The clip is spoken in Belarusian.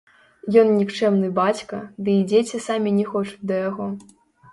Ён нікчэмны бацька, ды і дзеці самі не хочуць да яго.